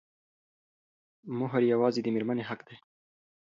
مهر يوازې د مېرمنې حق دی.